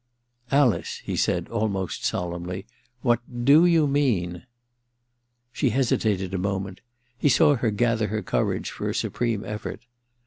* Alice,* he said almost solemnly, *what do you mean }* She hesitated a moment : he saw her gather her courage for a supreme efFort.